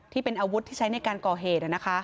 ที่เป็นอาวุธที่ใช้ในการก่อเหตุ